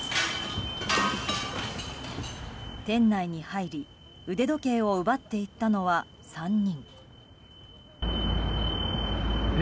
店内に入り腕時計を奪っていったのは３人。